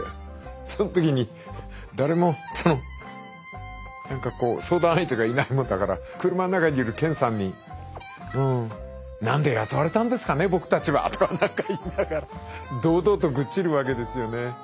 その時に誰も何かこう相談相手がいないもんだから車ん中にいる健さんにうんとか何か言いながら堂々と愚痴るわけですよね。